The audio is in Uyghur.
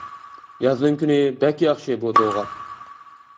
يازنىڭ كۈنى بەك ياخشى بۇ دوغاپ.